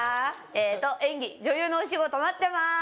えっと演技女優のお仕事待ってまーす